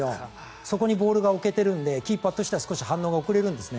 そこにボールが置けているのでキーパーとしては少し反応が遅れるんですね。